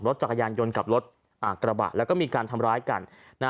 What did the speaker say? รถจักรยานยนต์กับรถกระบะแล้วก็มีการทำร้ายกัน